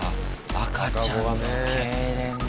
赤ちゃんのけいれんね。